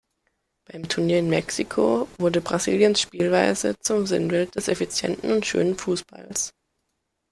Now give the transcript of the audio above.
Beim Turnier in Mexiko wurde Brasiliens Spielweise zum Sinnbild des effizienten und schönen Fußballs.